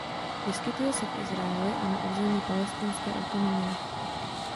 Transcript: Vyskytuje se v Izraeli a na území Palestinské autonomie.